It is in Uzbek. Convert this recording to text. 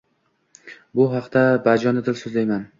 bu haqda bajonidil soʻzlayman.